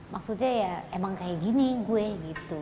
maksudnya ya emang kayak gini gue gitu